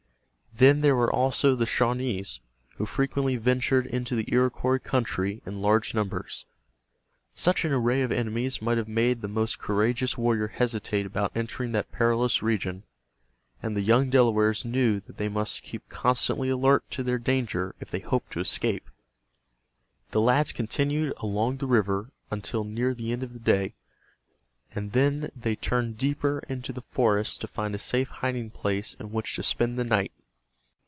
Then there were also the Shawnees, who frequently ventured into the Iroquois country in large numbers. Such an array of enemies might have made the most courageous warrior hesitate about entering that perilous region, and the young Delawares knew that they must keep constantly alert to their danger if they hoped to escape. The lads continued along the river until near the end of the day, and then they turned deeper into the forest to find a safe hiding place in which to spend the night.